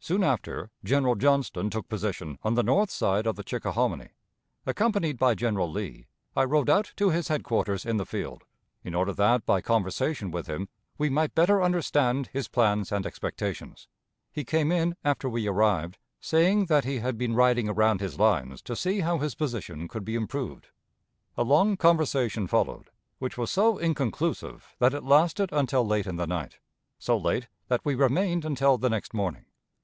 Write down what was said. Soon after, General Johnston took position on the north side of the Chickahominy; accompanied by General Lee, I rode out to his headquarters in the field, in order that by conversation with him we might better understand his plans and expectations. He came in after we arrived, saying that he had been riding around his lines to see how his position could be improved. A long conversation followed, which was so inconclusive that it lasted until late in the night, so late that we remained until the next morning.